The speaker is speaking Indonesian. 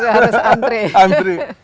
udah harus antre